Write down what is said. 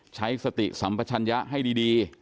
ใช้สติสัมปชัญญะให้ดี